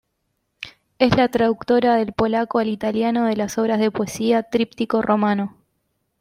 Es la traductora del polaco al italiano de las obras de poesía "Tríptico romano.